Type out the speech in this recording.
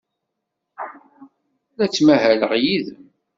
La ttmahaleɣ yid-m.